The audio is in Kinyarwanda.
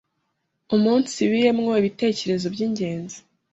iumunsibiyemo ibitekerezo by’ingenzi